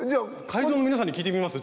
会場の皆さんに聞いてみます？